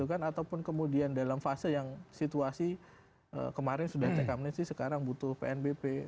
ataupun kemudian dalam fase yang situasi kemarin sudah tech amnesty sekarang butuh pnbp